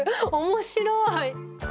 面白い。